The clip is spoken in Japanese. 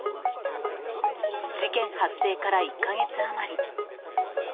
事件発生から１か月余り。